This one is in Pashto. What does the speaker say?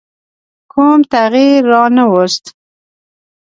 کوم تغییر رانه ووست.